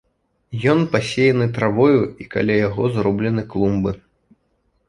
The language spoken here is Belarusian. Ён пасеяны травою, і каля яго зроблены клумбы.